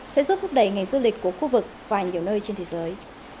sẽ giúp thúc đẩy ngành du lịch của khu vực và nhiều nơi trên thế giới